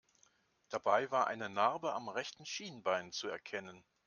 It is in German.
Dabei war eine Narbe am rechten Schienbein zu erkennen.